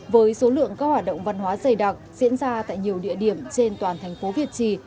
với số lượng các hoạt động văn hóa dày đặc diễn ra tại nhiều địa điểm trên toàn thành phố việt trì